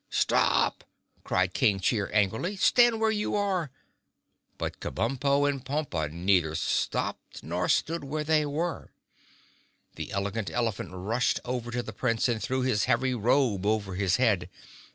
"Stop!" cried King Cheer angrily. "Stand where you are!" But Kabumpo and Pompa neither stopped nor stood where they were. The Elegant Elephant rushed over to the Prince and threw his heavy robe over his head.